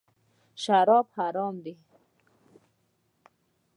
شراب حرام دي .